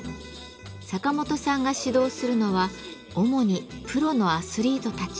サカモトさんが指導するのは主にプロのアスリートたち。